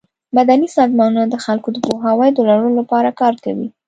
مدني سازمانونه د خلکو د پوهاوي د لوړولو لپاره کار کوي.